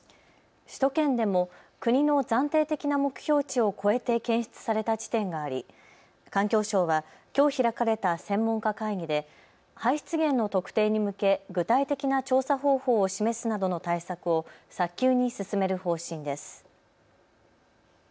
首都圏でも国の暫定的な目標値を超えて検出された地点があり環境省はきょう開かれた専門家会議で排出源の特定に向け具体的な調査方法を示すなどの対策を早急に進める方針です。